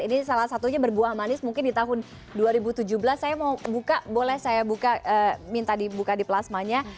ini salah satunya berbuah manis mungkin di tahun dua ribu tujuh belas saya mau buka boleh saya buka minta dibuka di plasmanya